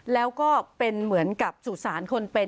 แล้วก็เป็นเหมือนกับสุสานคนเป็น